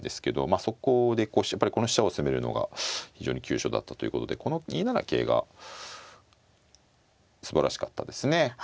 あそこでやっぱりこの飛車を攻めるのが非常に急所だったということでこの２七桂がすばらしかったですね。